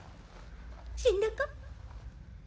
死んだか？